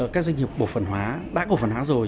các doanh nghiệp cổ phân hóa đã cổ phân hóa rồi